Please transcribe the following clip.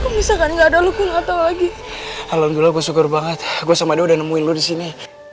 misalkan enggak ada lukul atau lagi alhamdulillah gue syukur banget gue sama dia nemuin lu di sini